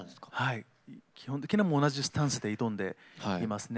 基本的に同じスタンスで挑んでいますね。